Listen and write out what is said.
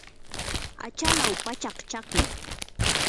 achalaw pachak chaki.